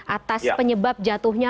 atas penyebab jatuhnya